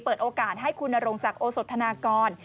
เปิดโอกาสให้คุณนรงศักดิ์โอสธนากร